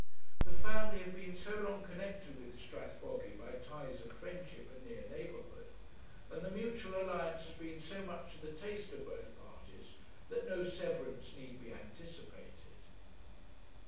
The family have been so long connected with Strathbogy by ties of friendship and near neighbourhood, and the mutual alliance has been so much to the taste of both parties, that no severance need be anticipated.'